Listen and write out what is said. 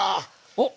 おっ！